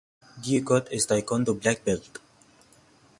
Ducote is Taekwondo Black Belt.